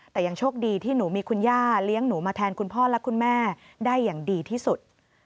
แต่ยังโชคดีที่หนูมีคุณย่าเลี้ยงหนูมาแทนคุณพ่อและคุณแม่ได้อย่างดีที่สุด